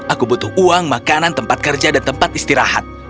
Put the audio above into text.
aku butuh uang makanan tempat kerja dan tempat istirahat